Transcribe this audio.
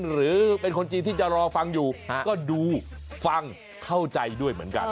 หรือเป็นคนจีนที่จะรอฟังอยู่ก็ดูฟังเข้าใจด้วยเหมือนกัน